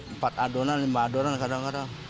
empat adonan lima adonan kadang kadang